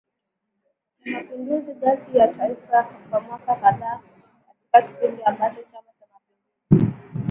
cha mapinduzi ngazi ya taifa kwa miaka kadhaa katika kipindi ambacho Chama cha mapinduzi